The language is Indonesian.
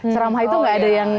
seramah itu gak ada yang